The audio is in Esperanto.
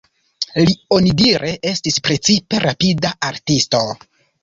Li onidire estis precipe rapida artisto.